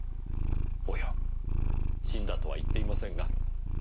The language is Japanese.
おや死んだとは言っていませんが。